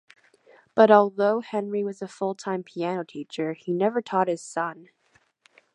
But although Henry was a full-time piano teacher, he never taught his son.